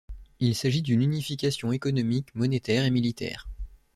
Il s’agit d’une unification économique, monétaire et militaire.